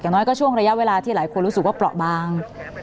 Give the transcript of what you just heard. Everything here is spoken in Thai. น้อยก็ช่วงระยะเวลาที่หลายคนรู้สึกว่าเปราะบาง